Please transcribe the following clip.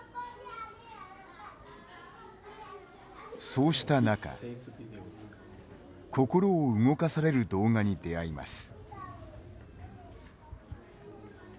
そうした中、心を動かされる動画に出会います。